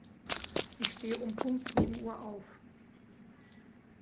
Ich stehe um Punkt sieben Uhr auf.